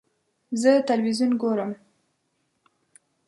زه تلویزیون ګورم.